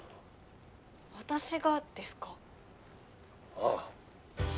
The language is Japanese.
ああ。